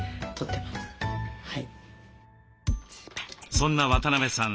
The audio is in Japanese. そんな渡邊さん